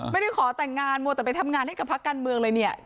ไม่ได้ขอแต่งงานมัวแต่ไปทำงานให้กับพักการเมืองเลยเนี่ย